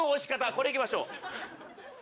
これ行きましょう。